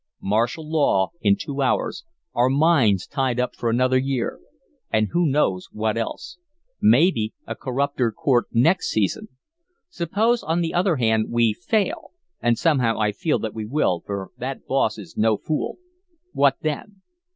Martial law in two hours, our mines tied up for another year, and who knows what else? Maybe a corrupter court next season. Suppose, on the other hand, we fail and somehow I feel that we will, for that boss is no fool. What then?